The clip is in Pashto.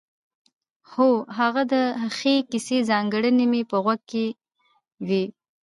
هو هغه د ښې کیسې ځانګړنې مې په غوږ کې وې.